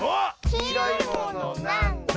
「きいろいものなんだ？」